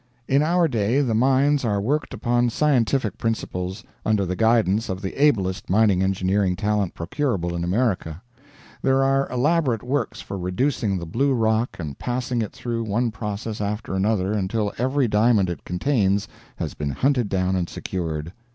In our day the mines are worked upon scientific principles, under the guidance of the ablest mining engineering talent procurable in America. There are elaborate works for reducing the blue rock and passing it through one process after another until every diamond it contains has been hunted down and secured.